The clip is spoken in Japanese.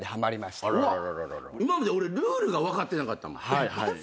今まで俺ルールが分かってなかったもん。